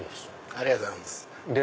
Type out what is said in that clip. ありがとうございます。